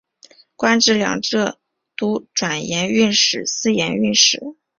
官至两浙都转盐运使司盐运使。